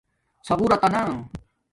ݼاغݸتانا